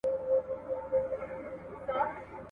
• د بنو څښتنه په ارامه نه وي.